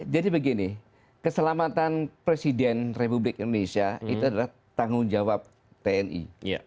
jadi begini keselamatan presiden republik indonesia itu adalah tanggung jawab tni